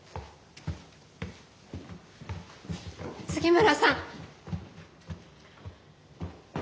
杉村さん！